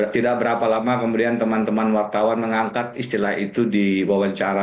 tidak berapa lama kemudian teman teman wartawan mengangkat istilah itu di wawancara